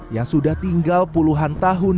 yang sudah tinggal puluhan tahun